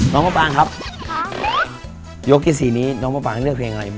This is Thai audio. น้องพระปางครับครับยกที่สี่นี้น้องพระปางเลือกเพลงยังไง